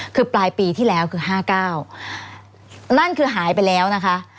คือปลายปีที่แล้วคือ๕๙นั่นคือหายไปแล้วนะคะ